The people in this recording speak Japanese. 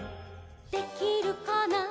「できるかな」